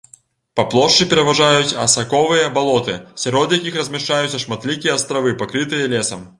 Па плошчы пераважаюць асаковыя балоты, сярод якіх размяшчаюцца шматлікія астравы, пакрытыя лесам.